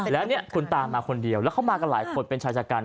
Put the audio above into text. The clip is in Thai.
แล้วเนี่ยคุณตามาคนเดียวแล้วเขามากันหลายคนเป็นชายชะกัน